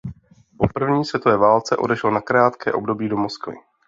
Po první světové válce odešel na krátké období do Moskvy.